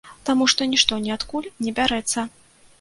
Таму што нішто ніадкуль не бярэцца.